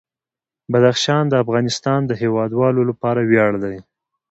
بدخشان د افغانستان د هیوادوالو لپاره ویاړ دی.